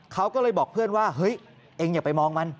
เขาก็เลยบอกเพื่อนว่าเฮ้ยเองอย่าไปมองมัน